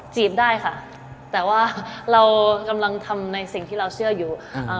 จีบได้ค่ะแต่ว่าเรากำลังทำในสิ่งที่เราเชื่ออยู่